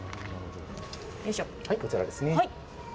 こちらですね。